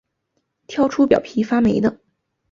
挑出表皮发霉的